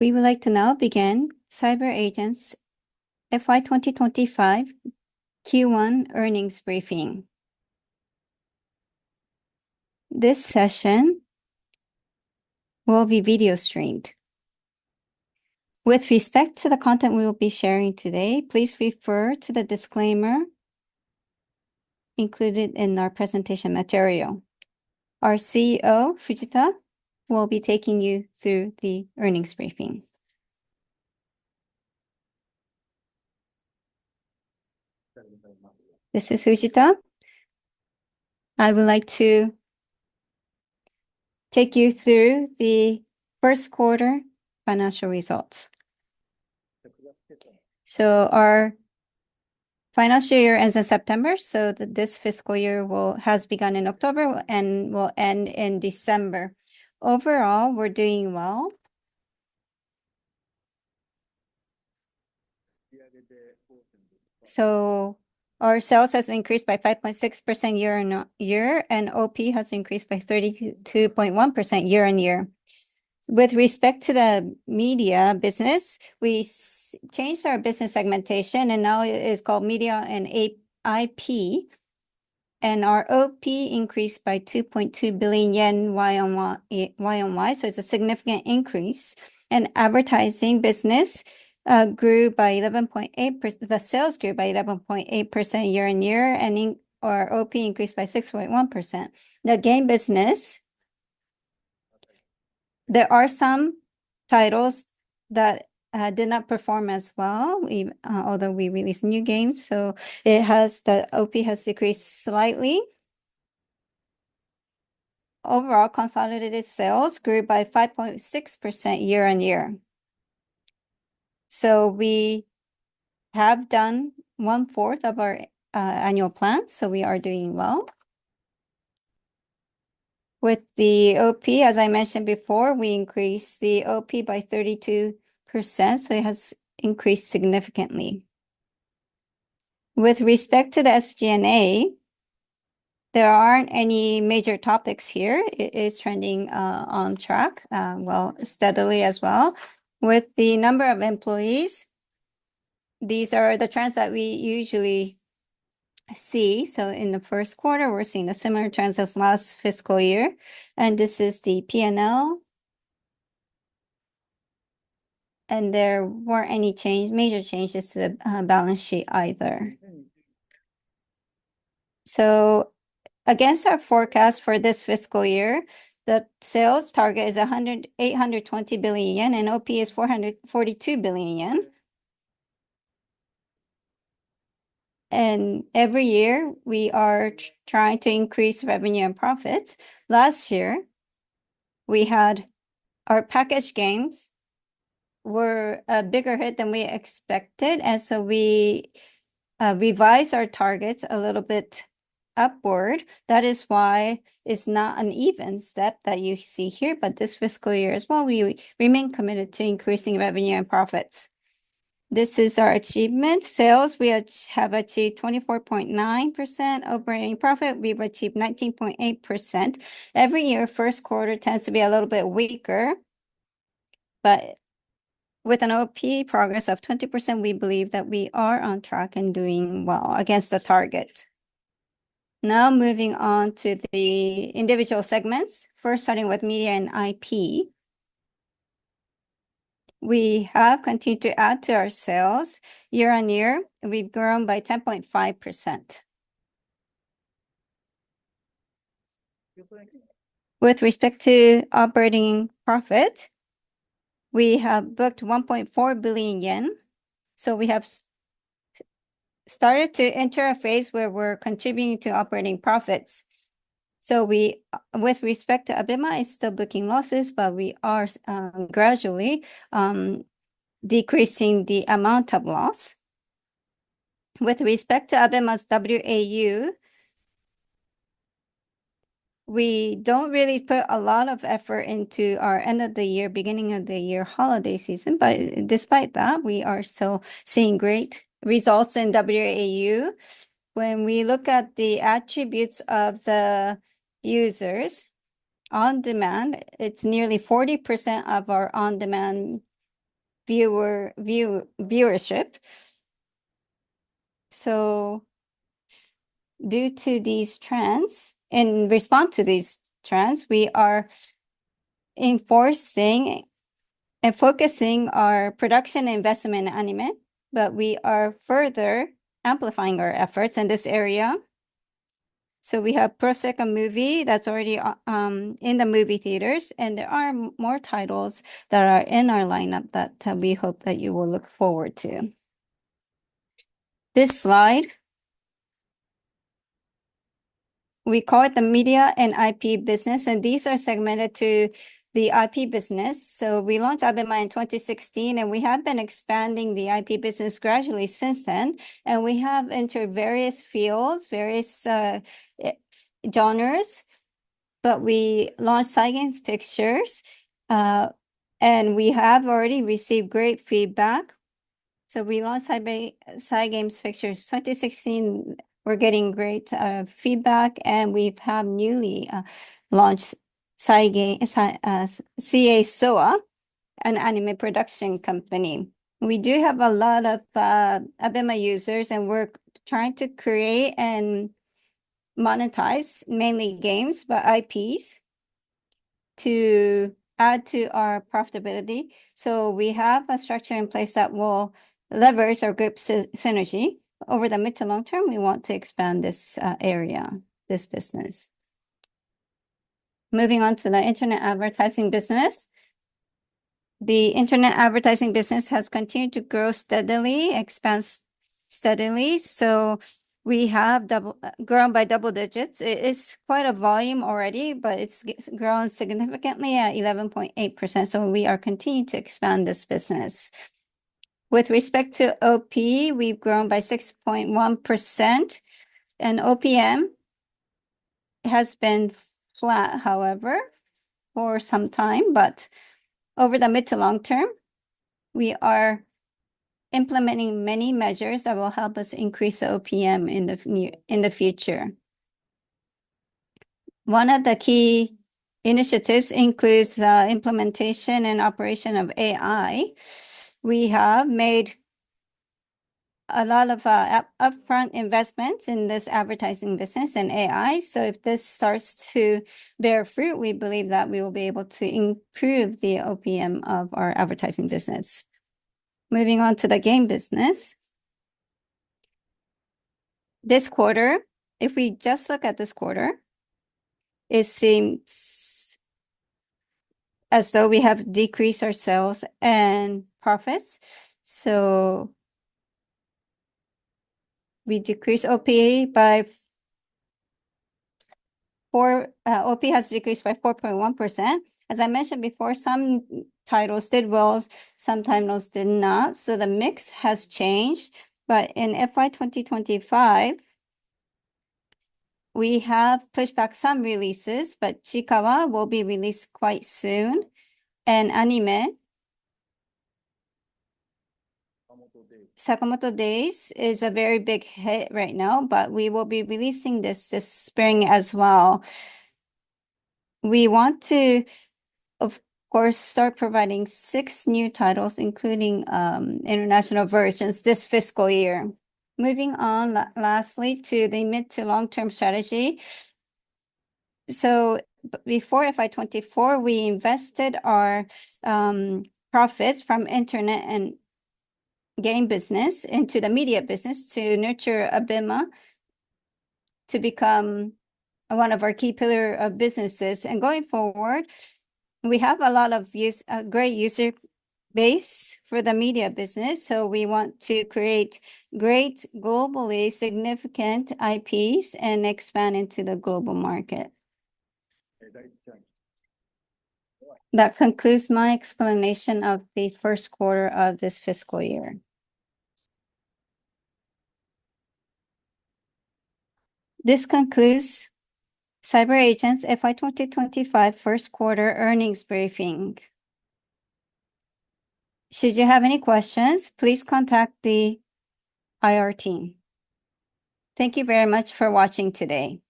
We would like to now begin CyberAgent's FY 2025 Q1 earnings briefing. This session will be video streamed. With respect to the content we will be sharing today, please refer to the disclaimer included in our presentation material. Our CEO, Fujita, will be taking you through the earnings briefing. Thank you very much. This is Fujita. I would like to take you through the first quarter financial results. Our financial year ends in September, so this fiscal year has begun in October and will end in December. Overall, we're doing well. Our sales have increased by 5.6% year-on-year, and OP has increased by 32.1% year-on-year. With respect to the media business, we changed our business segmentation, and now it is called media and IP. Our OP increased by 2.2 billion yen year-on-year, so it's a significant increase. The advertising business grew by 11.8%; sales grew by 11.8% year-on-year, and our OP increased by 6.1%. In the game business, there are some titles that did not perform as well, although we released new games, so the OP has decreased slightly. Overall, consolidated sales grew by 5.6% year-on-year. We have done one-fourth of our annual plan, so we are doing well. With the OP, as I mentioned before, we increased the OP by 32%, so it has increased significantly. With respect to the SG&A, there aren't any major topics here. It is trending on track, well, steadily as well. With the number of employees, these are the trends that we usually see. In the first quarter, we're seeing the similar trends as last fiscal year. This is the P&L. There weren't any major changes to the balance sheet either. Against our forecast for this fiscal year, the sales target is 820 billion yen, and OP is 442 billion yen. Every year, we are trying to increase revenue and profits. Last year, we had our package games were a bigger hit than we expected, and so we revised our targets a little bit upward. That is why it's not an even step that you see here, but this fiscal year as well, we remain committed to increasing revenue and profits. This is our achievement. Sales, we have achieved 24.9%. Operating profit, we've achieved 19.8%. Every year, first quarter tends to be a little bit weaker, but with an OP progress of 20%, we believe that we are on track and doing well against the target. Now moving on to the individual segments, first starting with media and IP. We have continued to add to our sales year-on-year. We've grown by 10.5%. With respect to operating profit, we have booked 1.4 billion yen, so we have started to enter a phase where we're contributing to operating profits. We, with respect to ABEMA, are still booking losses, but we are gradually decreasing the amount of loss. With respect to ABEMA's WAU, we don't really put a lot of effort into our end of the year, beginning of the year holiday season, but despite that, we are still seeing great results in WAU. When we look at the attributes of the users on demand, it's nearly 40% of our on-demand viewership. Due to these trends, in response to these trends, we are enforcing and focusing our production investment in anime, but we are further amplifying our efforts in this area. We have Project Sekai Movie that's already in the movie theaters, and there are more titles that are in our lineup that we hope that you will look forward to. This slide, we call it the media and IP business, and these are segmented to the IP business. So we launched ABEMA in 2016, and we have been expanding the IP business gradually since then, and we have entered various fields, various genres, but we launched CygamesPictures, and we have already received great feedback. So we launched CygamesPictures 2016. We're getting great feedback, and we've had newly launched CASOA, an anime production company. We do have a lot of ABEMA users, and we're trying to create and monetize mainly games, but IPs to add to our profitability. So we have a structure in place that will leverage our group synergy. Over the mid to long term, we want to expand this area, this business. Moving on to the internet advertising business, the internet advertising business has continued to grow steadily, expands steadily. We have grown by double digits. It is quite a volume already, but it's grown significantly at 11.8%. We are continuing to expand this business. With respect to OP, we've grown by 6.1%, and OPM has been flat, however, for some time, but over the mid to long term, we are implementing many measures that will help us increase OPM in the future. One of the key initiatives includes implementation and operation of AI. We have made a lot of upfront investments in this advertising business and AI. If this starts to bear fruit, we believe that we will be able to improve the OPM of our advertising business. Moving on to the game business. This quarter, if we just look at this quarter, it seems as though we have decreased our sales and profits. OP has decreased by 4.1%. As I mentioned before, some titles did well, sometimes those did not, so the mix has changed, but in FY 2025, we have pushed back some releases, but Chiikawa will be released quite soon, and anime, Sakamoto Days is a very big hit right now, but we will be releasing this spring as well. We want to, of course, start providing six new titles, including international versions, this fiscal year. Moving on lastly to the mid- to long-term strategy, so before FY 2024, we invested our profits from internet and game business into the media business to nurture Abema to become one of our key pillar businesses, and going forward, we have a lot of great user base for the media business, so we want to create great globally significant IPs and expand into the global market. That concludes my explanation of the first quarter of this fiscal year. This concludes CyberAgent's FY 2025 first quarter earnings briefing. Should you have any questions, please contact the IR team. Thank you very much for watching today.